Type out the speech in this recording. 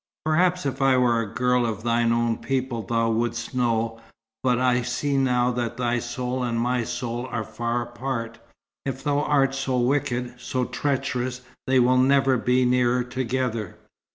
"Perhaps if I were a girl of thine own people thou wouldst know, but I see now that thy soul and my soul are far apart. If thou art so wicked, so treacherous, they will never be nearer together."